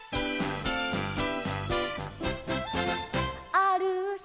「あるひ」